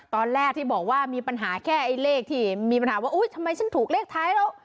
ตอนแรกที่บอกว่ามีปัญหาแค่ไอ้เลขที่มีปัญหาว่าอุ๊ยทำไมฉันถูกเลขท้ายแล้ว